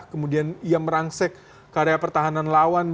kemudian ia merangsek karya pertahanan lawan